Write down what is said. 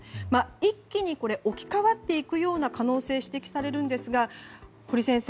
一気に置き換わっていくような可能性が指摘されるんですが堀先生